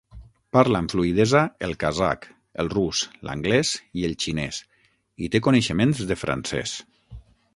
Parla amb fluïdesa el kazakh, el rus, l'anglès i el xinès i té coneixements de francès.